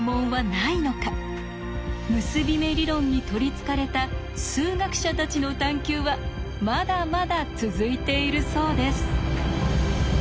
結び目理論に取りつかれた数学者たちの探求はまだまだ続いているそうです。